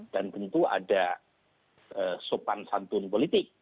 dan tentu ada sopan santun politik